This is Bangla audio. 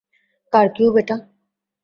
কার কিউব এটা?